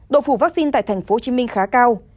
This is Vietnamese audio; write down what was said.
độ phủ vaccine tại tp hcm khá cao